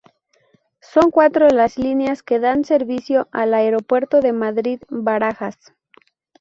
Son cuatro las líneas que dan servicio al Aeropuerto de Madrid-Barajas.